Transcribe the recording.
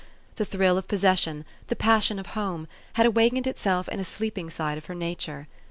The thrill of possession, the passion of home, had awaked itself in a sleeping side of her nature.